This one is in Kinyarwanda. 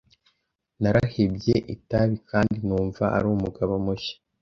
Narahebye itabi kandi numva ari umugabo mushya.